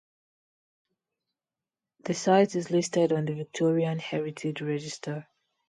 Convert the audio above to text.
The site is listed on the Victorian Heritage Register.